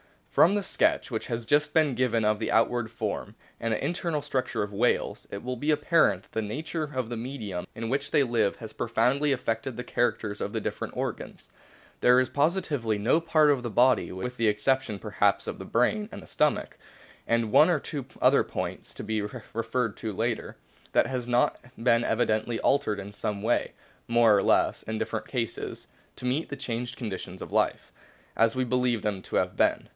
o From the sketch which has just been given of the outward form and the internal structure of whales, it will be apparent that the nature of the medium in which they live has profoundly affected the characters of the different organs. There is positively no part of the body, with the exception perhaps of the brain and the stomach, and one or two other points to be referred to later, that has not been evidently altered in some way, more or less, in different cases, to meet the changed conditions of life as we believe them to CLA SSIFICA TION 97 have been.